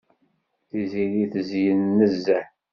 Tiziri tezyen nezzeh.